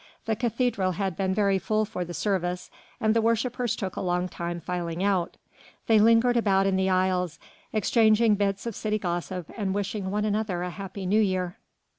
The cathedral had been very full for the service, and the worshippers took a long time filing out; they lingered about in the aisles, exchanging bits of city gossip and wishing one another a happy New Year.